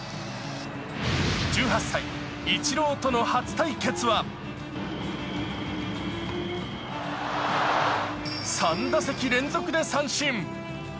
１８歳、イチローとの初対決は３打席連続で三振。